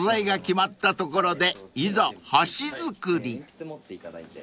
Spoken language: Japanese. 鉛筆持っていただいて。